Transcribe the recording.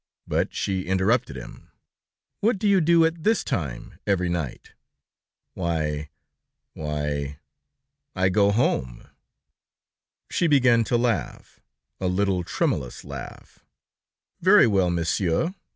But she interrupted him: "What do you do at this time, every night?" "Why ... why ... I go home." She began to laugh, a little tremulous laugh. "Very well, Monsieur